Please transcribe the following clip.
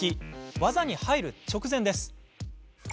技に入る直前です。